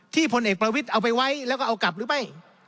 พลเอกประวิทย์เอาไปไว้แล้วก็เอากลับหรือไม่